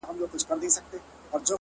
• را لنډ کړی به مي خپل د ژوند مزل وي ,